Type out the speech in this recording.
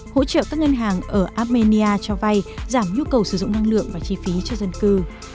hỗ trợ các ngân hàng ở armenia cho vay giảm nhu cầu sử dụng năng lượng và chi phí cho dân cư